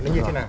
nó như thế nào